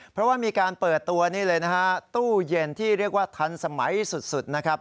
เพราะว่ามีการเปิดตัวนี่เลยนะฮะตู้เย็นที่เรียกว่าทันสมัยสุดนะครับ